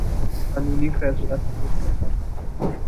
قانونی فیصلہ صادر کرتا ہے